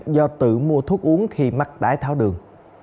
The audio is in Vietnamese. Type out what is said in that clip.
do tự mua thuốc uống khi mắc đái tháo đường